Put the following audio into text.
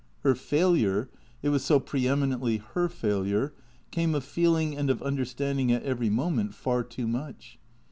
Her failure (it was so pre eminently her failure) came of feeling and of understanding at every moment far too much.